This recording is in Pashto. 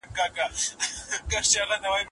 دروازې پورې کړي پناه شي